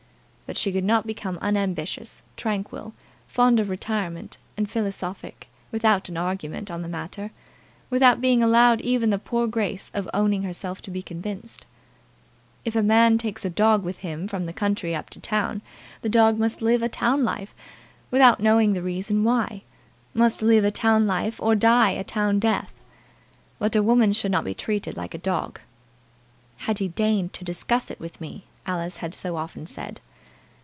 But she could not become unambitious, tranquil, fond of retirement, and philosophic, without an argument on the matter, without being allowed even the poor grace of owning herself to be convinced. If a man takes a dog with him from the country up to town, the dog must live a town life without knowing the reason why; must live a town life or die a town death. But a woman should not be treated like a dog. "Had he deigned to discuss it with me!" Alice had so often said.